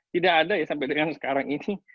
tidak ada ya sampai dengan sekarang ini